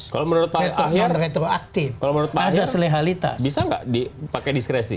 kalau menurut pak yusril bisa nggak dipakai diskresi